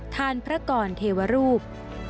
พระกรเทวรูป